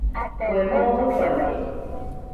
Kue moo Jɨfaide